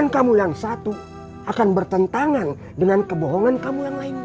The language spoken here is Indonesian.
kamu akan tersentangan dengan kebohongan kamu yang lainnya